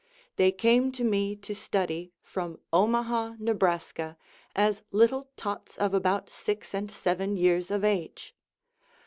They came to me to study from Omaha, Nebraska, as little tots of about six and seven years of age.